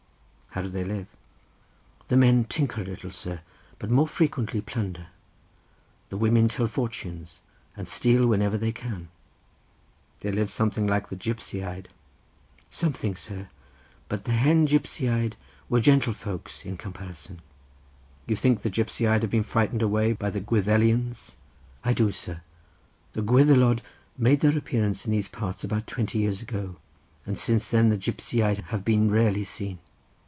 "How do they live?" "The men tinker a little, sir, but more frequently plunder. The women tell fortunes, and steal whenever they can." "They live something like the Gipsiaid." "Something, sir; but the hen Gipsiaid were gentlefolks in comparison." "You think the Gipsiaid have been frightened away by the Gwyddelians?" "I do, sir; the Gwyddelod made their appearance in these parts about twenty years ago, and since then the Gipsiaid have been rarely seen."